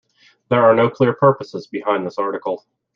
There are no clear purposes behind this article.